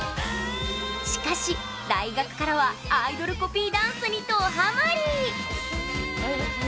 しかし、大学からはアイドルコピーダンスにドハマり。